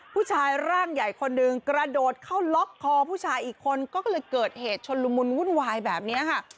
ผู้ชายร่างใหญ่คนหนึ่งกระโดดเข้าล็อกคอผู้ชายอีกคนก็เลยเกิดเหตุชนละมุนวุ่นวายแบบนี้ค่ะ